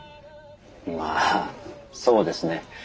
まあそうですね。